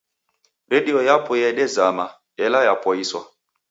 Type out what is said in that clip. Redio yapo yedezama, ela yapoiswa.